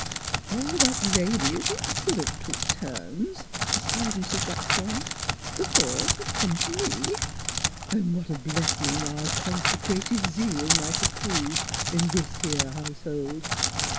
" All of us ladies c'd 'a' took turns," sighed Mrs. Buckthorn. " The thought 'd come t' me. An' what a blessin' our conse crated zeal might 64 NEIGHBORS V proved in this 'ere household!